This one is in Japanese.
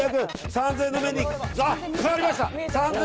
３０００円の面に変わりました。